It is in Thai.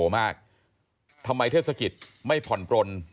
ถ้าเขาถูกจับคุณอย่าลืม